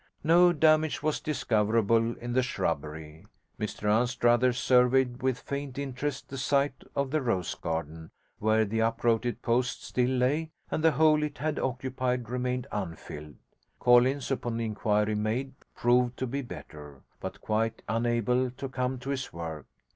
No damage was discoverable in the shrubbery. Mr Anstruther surveyed with faint interest the site of the rose garden, where the uprooted post still lay, and the hole it had occupied remained unfilled. Collins, upon inquiry made, proved to be better, but quite unable to come to his work.